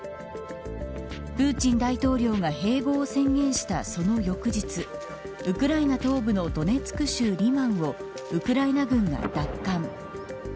プーチン大統領が併合を宣言したその翌日ウクライナ東部のドネツク州リマンをウクライナ軍が奪還。